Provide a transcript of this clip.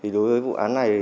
đối với vụ án này